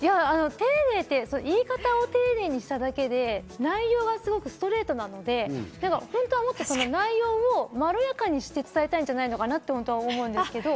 丁寧言い方を丁寧にしただけで、内容はすごくストレートなので、本当はもっと内容もまろやかにして伝えたいんじゃないのかな？って思うんですけど。